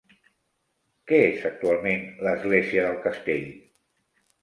Què és actualment l'església del castell?